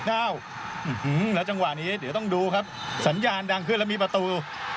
แล้วจังหวะนี้เดี๋ยวต้องดูครับสัญญาณดังขึ้นแล้วมีประตู